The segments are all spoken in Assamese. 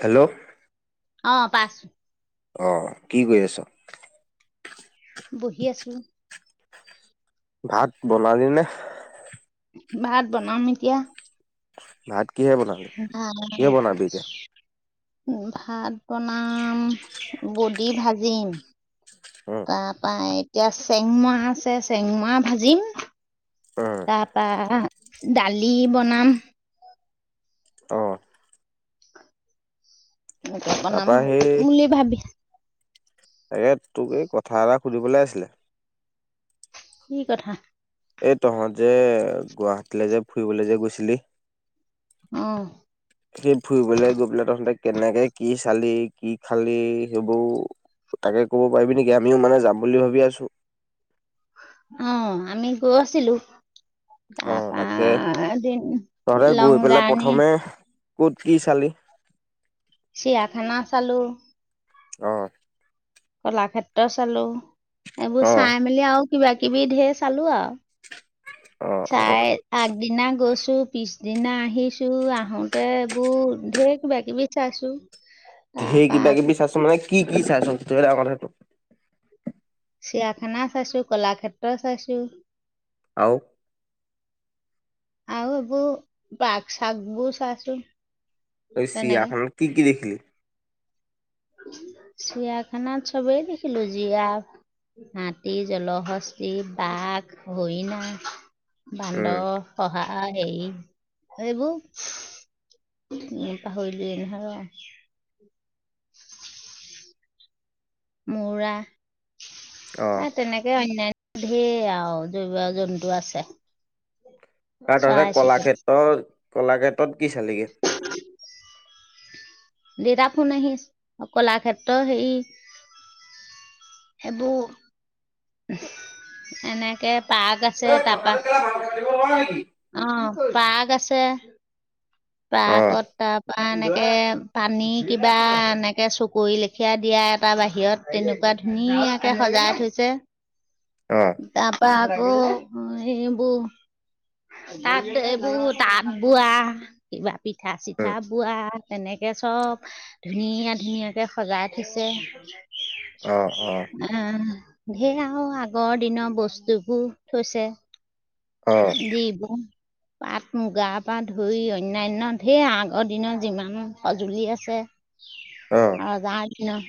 হেল্ল', অ, পাইছো। আহ, কি কৰি আছ? বহি আছো। ভাত বনালি নে? ভাত বনাম এতিয়া। ভাত কিহে বনালি আহ, কিহে বনাবি এতিয়া? ভাত বনাম বডি ভাজিম, উম তাৰ পা এতিয়া চেংমা আছে চেংমা ভাজিম। উম তা পা দালি বনাম। অ', বনাম তাৰপা সেই বুলি ভাবি তাকে তোক এই কথা এটা সুধিবলৈ আছিলে? কি কথা? এই তহঁত যে গুৱাহাটীলৈ যে ফুৰিবলৈ যে গৈছিলি, আহ, সেই ফুৰিবলৈ গৈ পেলাই তহতে কেনেকে কি চালি কি খালি সেইবোৰ তাকে কব পাৰিবি নেকি? আমিও মানে যাম বুলি ভাবি আছো। অ' আমি গৈ আছিলো। অ' তাৰপা তাকে এদিন তহতে লং গৈ পেলাই জাৰ্ণি প্ৰথমে ক'ত কি চালি? চিৰিয়া খানা চালো। আহ, কলাক্ষেত্ৰ চালো, এইবোৰ অ চাই মেলি আৰু। কিবা কিবি ঢেৰ চালো আও অ অ চাই আগদিনা গৈছো টো পিছদিনা আহিছো আহোতে এইবোৰ ঢেৰ কিবা কিবি চাইছো ধেই তাৰপা আকৌ কিবাকিবি চাছো মানে কি কি কি চাই চুং টোৱেলা কথাটো চিয়াখানা চাইছো কলাক্ষেত্ৰ চাইছো আও আৰু এইবোৰ বাক চাগ বোৰ চাইচো এই চিয়াখানাত কি কি দেখিলি চিয়াখানাত চবেই দেখিলো জীৰাফ হাতী জলশস্তি বাঘ হৰিণা বান্দ উম, অহ আ আ‌ সেৰি এইবোৰ উ পাহৰিলোৱে নহয় মূৰা অ'। এ তেনেকে অনান্য ধেৰ আৰু জৈৱ জন্তু আছে কাৰ তে চৰাই চিৰিকটি কলাক্ষেত্ৰ কলাক্ষেত্ৰত কি চালিগে দি ৰাখো নাহি কলাক্ষেত্ৰ সেই সেইবোৰ এনেকে পাক আছে তাপা নেকি বাঘ আছে পাকত অ', তাপ বা এনেকে পানী কিবা এনেকে চকৰি লেখিয়া দিয়া এটা বাহিৰত তেনেকুৱা ধুনীয়াকে সজাই থৈছে অ ত পৰা আকৌ এইবোৰ তাত এইবোৰ তাঁত বোৱা কিবা পিঠা উম, চিঠা বোৱা তেনেকে চব ধুনীয়া ধুনীয়াকে সজাই থৈছে অ অ ধেই আও আগ গৰ দিনৰ বস্তুবোৰ থৈছে অ', অ'। বি ব পাট মুগাৰ পা ধুই অনান্য ঢেৰ আগৰ দিনৰ যিমান সঁজুলি আছে ৰজাৰ দিনৰ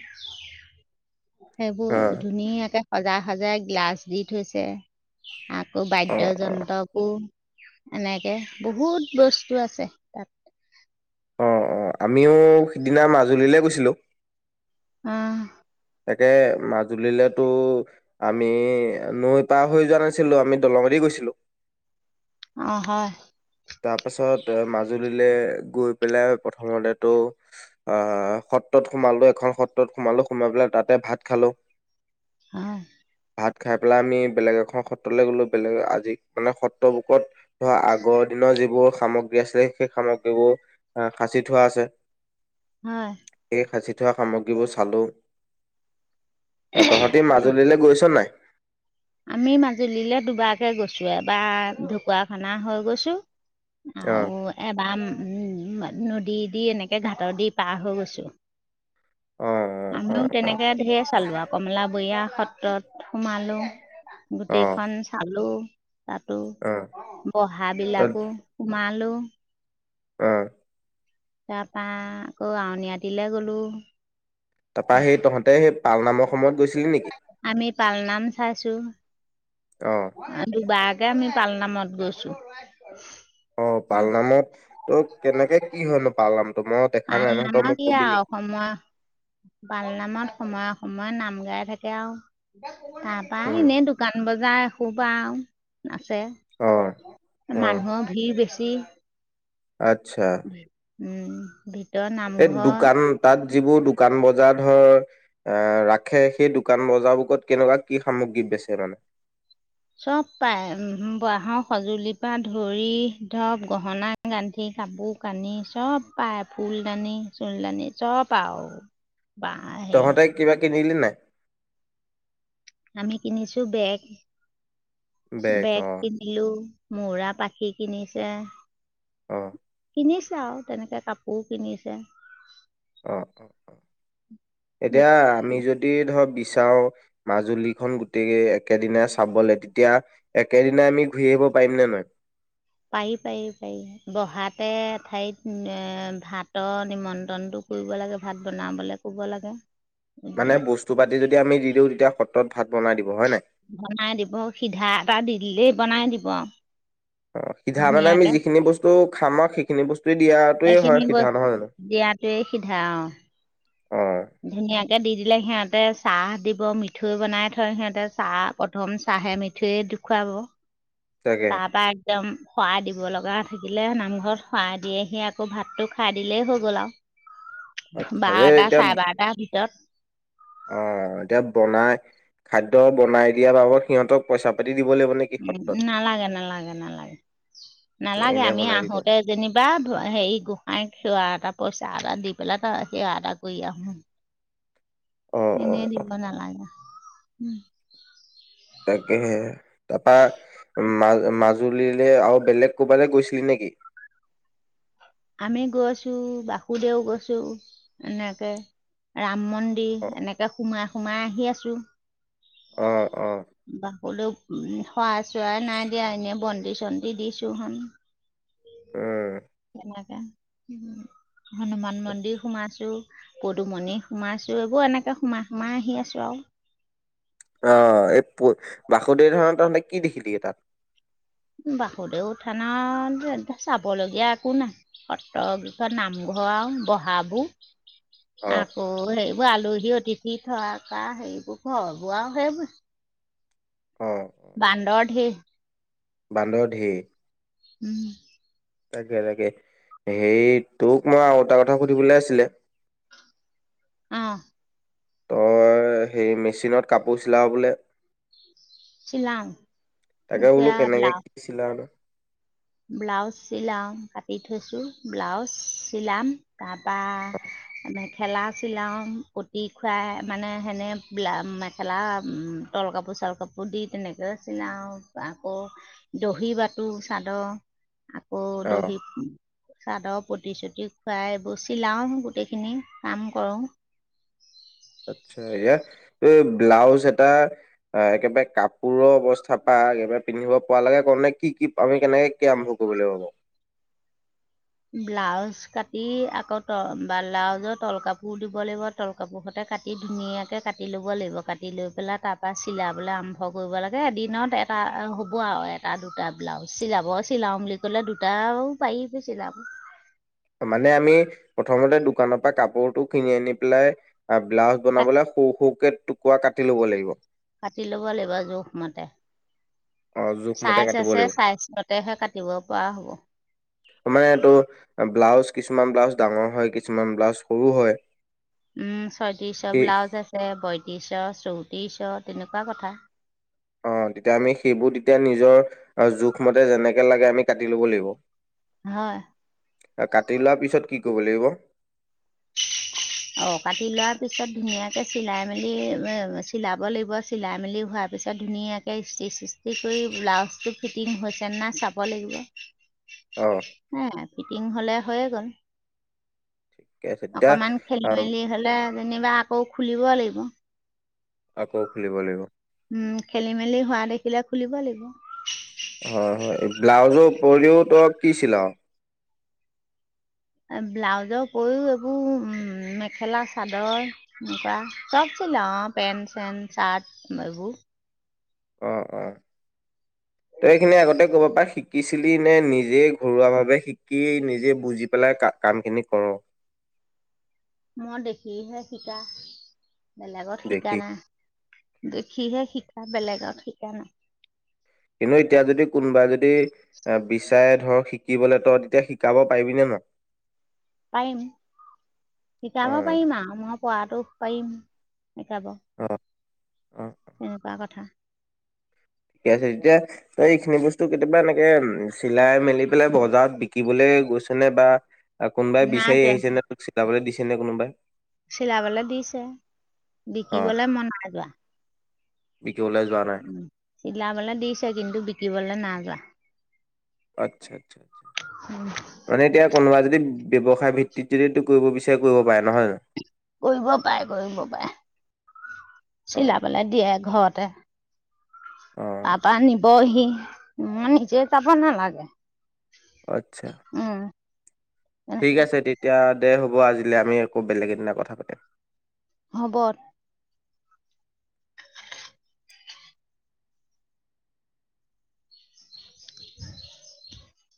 সেইবোৰ অ', ধুনীয়াকে সজাই সজাই গ্লাচ দি থৈছে আকৌ বাই বাদ্য অ', যন্ত অ এনেকে বহুত বস্তু আছে তাত অ', অ আমিও সিদিনা মাজুলীলে গৈছিলো অঁ তাকে মাজুলীলৈ টো আমি নৈ পাৰ হৈ যোৱা নাছিলো আমি দলঙদি গৈছিলো অ হয় তাৰপাছত মাজুলীলৈ গৈ পেলাই প্ৰথমতেতো অ সত্ৰত সোমালোঁ এখন সত্ৰত সোমালোঁ সোমাই পেলাই তাতে ভাত খালোঁ আহ ভাত খাই পেলাই আমি বেলেগ এখন সত্ৰলৈ গ'লোঁ বেলেগ আজি মানে সত্ৰবুকত ও আগত যিবোৰ সামগ্ৰী আছিল সেই সামগ্ৰীবোৰ অ সাচি থোৱা আছে হয় এই সাচি থোৱা সামগ্ৰীবোৰ চালোঁ তহঁতি মাজুলীলৈ গৈছ নাই আমি মাজুলীলৈ দুবাকে গৈছো এবাৰ ঢকুৱাখানা হৈ গৈছো অ আৰু এবাম উম নদী দি এনেকে ঘাটৰ দি পাৰ হৈ গৈছো অ অ আমিও তেনেকে ধেৰ চালো আৰু কমলা বয়া সত্ৰত সোমালোঁ অ অ গোটেইখন চালো তাতো অ বহা বিলাকো সোমাল হেল্ল' আহ তাৰপা আকৌ আউনীআতিলে গলো তাৰপৰা সেই তহঁতে সেই পালনামৰ সময়ত গৈ আমি পালনাম চাইছো অ দুবাৰকে আমি পালনামত গৈছোঁ অ পালনামত ত কেনেকে কি হয়নো পালনাম পালনামা কি আৱ সময় পালনামা সময়ে সময়ে নাম গাই থাকে আৰু তাৰাপা উম এনেই দোকান বজাৰ সোপা আও আছে অ অ মানুহৰ ভিৰ বেছি স [unintelligible] আচ্ছা উম বি এই দোকান তাত যিবোৰ দোকান বজাৰ ধৰ আহ ৰাখে সেই দোকান বজাৰ বোৰকত কেনেকুৱা কি সামগ্ৰী বেচে মানে চব পায় বাঁহৰ সঁজুলিৰ পৰা ধৰি ধপ গহনা গান্ধি কাপোৰ কানি চব পায় ফুলদানি চুল দানি চব আৰুওঁ তহঁতে কিবা কিনিলি নাই আমি কিনিছো বেগ বেগ কিনিলো মৰা পাখি কিনিছে আহ কিনিছে আৰু তেনেকে কাপোৰ কিনিছে অ অ অ গোট এতিয়া আমি যদি ধৰ বিচাৰো মাজুলীখন গোটেই একেদিনা চাবলে তেতিয়া একেদিন আমি ঘূৰি আহিব পাৰিম নে নোৱাৰিম পাৰি পাৰি পাৰি বহাতে ঠাইত এ ভাতৰ নিমন্ত্ৰণটো কৰিব লাগে ভাত বনাবলৈ কব লাগে মানে বস্তু পাতি যদি আমি দি দিওঁ তেতিয়া স তত ভাত বনাই দিব হয় নাই বনাই দিব সিধা এটা দি দিলেই বনাই দিব অ সিধা মানে আমি ধুনীয়াকৈ যিখিনি বস্তু খামাক সেইখিনি বস্তু দিয়াটোৱে হয় সেইখিনি সিধা বস্তু নহয় জানো? দিয়াতোৱে সিধা অ অ ধুনীয়া এতিয়া দি দিলে সিহঁতে চাহ দিব মিঠৈ বনাই থয় সিহঁতে চাহ প্ৰথম চাহে মিঠৈ দেখুৱাব তাকে তাৰ পৰাা একদম সৰা দিব লগা বা থাকিলে নামঘৰত খোৱাই দিয়ে আহি আকৌ ভাতটো খাই দিলেই হৈ গ'ল আও আচ্ছা এই বাৰটা এতিয়া চাৰে বাৰটাৰ ভিতৰত অ এতিয়া বনাই খাদ্য বনাই দিয়াৰ বাবদ সিহঁতক পইচা পাতি দিব লাগিব নেকি উম সত্ৰত নালাগে নালাগে নালাগে নালাগে এনে আমি বনাই দিব। আহোতে যেনিবা হেৰি গোসাই সেৱা এটা পইচা এটা দি পেলাই তাকে সেৱা এটা কৰি আহোঁ অ অ এনে অ দিব নালাগে উম তাকেহে তাপা ম মাজুলীলে আৰু বেলেগ কবালৈ গৈছিলি নেকি আমি গৈছো বাসুদেউ গৈছো এনেকে ৰা অ মন্দিৰ এনেকে সোমাই সোমাই আহি আছো। আহ', - আহ', বাসুদেউ উম', খোৱা চোৱাই নাই দিয়া এনেই বন্তি চন্তি দিছো হন উম তেনেকে উম ', হনুমান মন্দিৰ সোমাইছো, পদুমণি সোমাইছো, এইবোৰ এনেকে সোমাই -সোমাই আহি আছো আৰু আহ ', এই প বাসুদেৱ থানত তহঁতে কি দেখিলি তাত? বাসুদেৱ থানত চাবলগীয়া একো নাই সত্ৰ নামঘৰ আৰু বহাবোৰ অ আকৌ হেই এইোৰ আলহী অতিথি থৰাকা সেইবোৰ ঘৰবোৰ আৰু সেইবোৰ অ বান্দৰ ধেৰ। বান্দৰ ধেৰ। উম', তাকে -তাকে সেই তোক মই আৰু এটা কথা সুধিবলৈ আছিলে? অ', তই সেই', মেচিনত কাপোৰ চিলাৱ বোলে? চিলাও তাকে বোলো এতিয়া কেনেকে ব্লাউজ কি ছিলাও? ব্লাউজ চিলাও কাটি থৈছো ব্লাউজ চিলাম তাত পা ', এমে ', মেখেলা চিলাওঁ পুটি খুৱাই মানে সেনো মেখেলা তল অম ', কাপোৰ চাল কাপোৰ দি তেনেকৈ চিলাওঁ আকৌ দহি বাতো চাদৰ আকৌ অ দহি চাদৰ পতি শতি খুৱাই বচি লাও গোটেইখিনি কাম কৰোঁ। আচ্ছা', এয়া ব্লাউজ এটা আহ ', একেবাৰে কাপোৰৰ অৱস্থাৰ পৰা একেবাৰে পিন্ধিব পৰা লাগে ক নে কি- কি আমি কেনেকে কি আৰম্ভ কৰিব লাগিব বাৰু? ব্লাউজ কাটি আকৌ ত', বা ব্লাউজৰ তল কাপোৰ দিব লাগিব তল কাপোৰ হতে কাটি ধুনীয়াকে কাটি লব লাগিব কাটি লৈ পেলাই তাৰ পৰাা চিলাবলৈ আৰম্ভ কৰিব লাগে এদিনত এটা হ'ব আৰু এটা দুটা ব্লাউজ চিলাব চিলাও বুলি ক'লে দুটাও পাৰি প চিলাম মানে আমি প্ৰথমতে দু দোকানৰ পৰা কাপোৰতটো কিনি আনি পেলাই আৰু ব্লাউজ কাটি বনাবলে সৰু -সৰুকে টুকুুৱৰা কাটি লব লাগিব? কাটি ল'ব লাগিব জোখমতে অ জোখমতে চাইজ কাটিব আছে লাগিব। চাইজতেহে কাটিব পৰা হ'ব মানে এইটো ব্লাউজ কিছুমান ব্লাউজ ডাঙৰ হয় কিছুমান ব্লাউজ সৰু হয়। উম', ছয়ত্ৰিশ সেই ব্লাউজ আছে বয়ত্ৰিশ চৌতিশ তেনেকুৱা কথা। অ', তেতিয়া আমি সেইবোৰ তেতিয়া নিজৰ জোখমতে যেনেকে লাগে আমি কাটি ল'ব হয় লাগিব। কাটি লোৱা পিছত কি কৰিব লাগিব? লাগিব অ ', কাটি লোৱাৰ পিছত ধুনীয়াকে চিলাই মেলি চিলাব লাগিব চিলাই মেলি হোৱাৰ পিছত ধুনীয়াকে ষ্টি চিষ্টি কৰি ব্লাউজটো ফিটিং হৈছেনে নাই চাব লাগিব। অ উম ফিটিং হ'লে হৈয়ে গ'ল ঠিকেই আছে অকণমান খেলি মেলি হলে যেনিবা আকৌ খ খুলিব লাগিব আকৌ খুলিব লাগিব উম খেলি মেলি হোৱা দেখিলে খুলিব লাগিব হয় হয় ব্লাউজো উপৰিও তই কিছিলাঅ ব্লাউজৰ উপৰিও এইবোৰ মেখেলা চাদৰ এনেকুৱা চব চিলাওঁ পেণ্ট চেণ্ট চাৰ্ট এইবোৰ অঁ অঁ তই সেইখিনি আগতে ক'ব পাৰ শিক শিকিছিলি নে নিজেই ঘৰুৱাভাৱে শিকি নিজে বুজি পেলাই কামখিনি কৰ মই দেখিহে শিকা বেলেগত শিকা দেখি নাই দেখিহে শিকা বেলেগত শিকা নাই কিন্তু এতিয়া যদি কোনোবা যদি যদি বিচাৰে ধৰক শিকিবলৈ তই তেতিয়া শিকাব পাৰিবি নে নাই পাৰিম অ শিকাব পাৰিম আৰু মই পৰাটো পাৰিম শিকাব অ অ তেনেকুৱা কথা ঠিকে আছে তেতিয়া তই এইখিনি বস্তু কেতিয়াবা এনেকে চিলাই মেলি পেলাই বজাৰত বিক্ৰী গৈছে নে বা কোনোবাই বিচাৰি নাই আহিছে নে তোক চিলাবলৈ দিছে তেনে কোনো বাই চিলাবলে দিছে বিকিবলৈ মই নাই যোৱা উ উম চিলাবলে দিছে কিন্তু বিক্ৰীবলে নাই যোৱা আচ্ছা আ মানে এতিয়া কোনোবা যদি ব্যয়ৱসায় ভিত্তিতৰেটো কৰিব বিচাৰ কৰিব পাৰে কৰিব পাৰে অ', চিলাবলে দিয়ে ঘৰত এ অ', তাৰপা নিবহি মই নিজে যাব নালাগে আত্ছা ঠিক তেনেকুৱা আছে তেতিয়া দে হ'ব আজিলে আমি আকৌ বেলেগ এদিনা কথা পাতিম হব